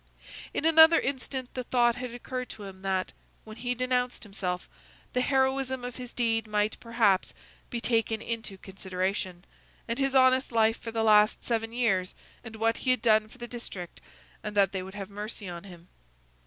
In another instant the thought had occurred to him that, when he denounced himself, the heroism of his deed might, perhaps, be taken into consideration, and his honest life for the last seven years, and what he had done for the district, and that they would have mercy on him.